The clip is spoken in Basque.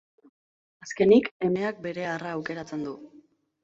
Azkenik emeak bere arra aukeratzen du.